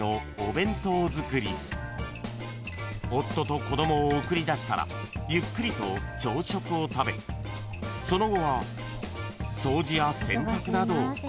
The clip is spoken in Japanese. ［夫と子供を送り出したらゆっくりと朝食を食べその後は掃除や洗濯などをこなす］